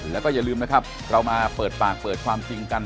และที่สำคัญก็คือ